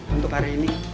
untuk hari ini